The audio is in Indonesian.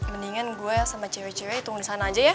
mendingan gue sama cewek cewek hitung di sana aja ya